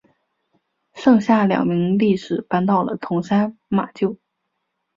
其剩下的两名力士搬到了桐山马厩。